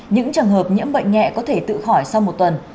những trường hợp nhiễm bệnh nhẹ có thể tự khỏi sau một tuần